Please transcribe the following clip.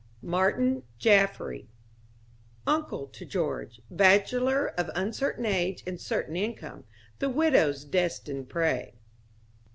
Martin Jaffry... Uncle to George, bachelor of uncertain age and certain income. The widow's destined prey.